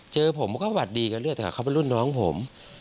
เจอผมก็หวัดดีกันเรื่อยแต่เขาเป็นรุ่นน้องผม